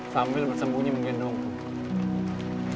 sambil bersembunyi menggendong kak